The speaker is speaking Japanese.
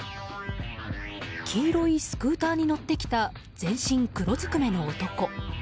黄色いスクーターに乗ってきた全身黒ずくめの男。